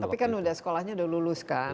tapi kan sudah sekolahnya sudah lulus kan